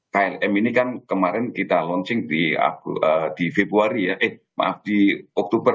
klm ini kan kemarin kita launching di februari ya eh maaf di oktober